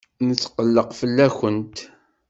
Netqelleq fell-akent.